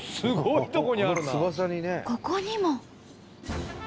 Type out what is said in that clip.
ここにも。